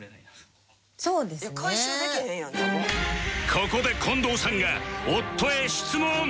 ここで近藤さんが夫へ質問